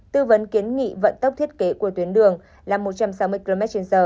tư vấn kiến nghị vận tốc thiết kế của tuyến đường là một trăm sáu mươi kmh